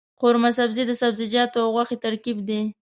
قورمه سبزي د سبزيجاتو او غوښې ترکیب دی.